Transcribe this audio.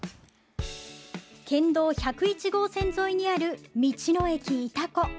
県道１０１号線沿いにある道の駅いたこ。